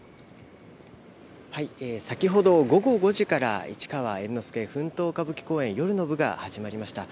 先ほど午後５時から「市川猿之助奮闘歌舞伎公演」夜の部が始まりました。